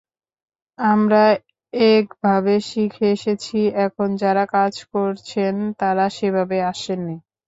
আমরা একভাবে শিখে এসেছি, এখন যাঁরা কাজ করছেন তাঁরা সেভাবে আসেননি।